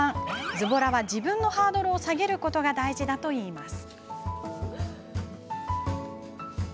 ズボラは自分のハードルを下げることが大事だと言います。